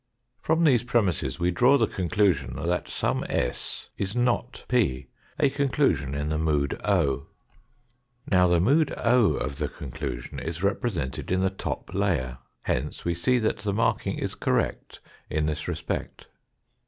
From these premisses we draw the conclusion that some s is not P, a conclusion in the mood o. Now the mood of the conclusion is represented in the top layer. Hence we see that the marking is correct in this respect.